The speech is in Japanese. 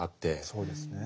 そうですね。